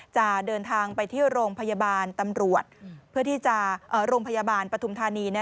จะเดินทางไปที่โรงพยาบาลปฐุมธานี